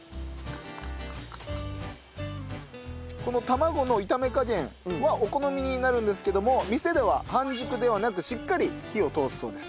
この卵の炒め加減はお好みになるんですけども店では半熟ではなくしっかり火を通すそうです。